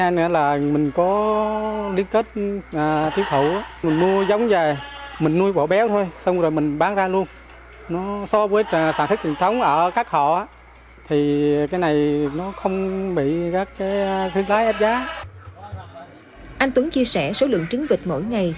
anh tuấn chia sẻ số lượng trứng vịt mỗi ngày